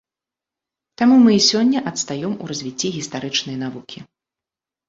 Таму мы і сёння адстаём у развіцці гістарычнай навукі.